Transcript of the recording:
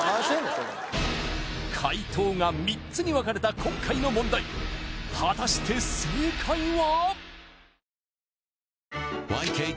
それ解答が３つに分かれた今回の問題果たして正解は？